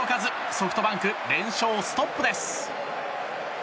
ソフトバンク連勝ストップです。